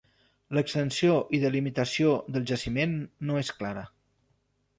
L'extensió i delimitació del jaciment no és clara.